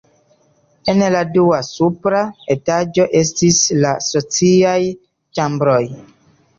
En la dua supra etaĝo estis la sociaj ĉambroj.